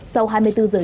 sau hai mươi bốn giờ